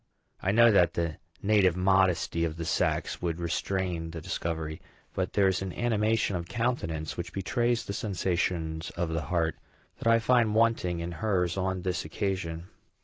I know that the native modesty of the sex would restrain the discovery; but there is an animation of countenance, which betrays the sensations of the heart, that I find wanting in hers on this occasion.